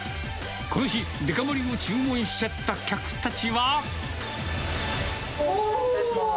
この日、デカ盛りを注文しちゃった客たちは。